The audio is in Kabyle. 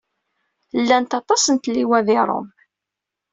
Llant aṭas n tliwa di Rome.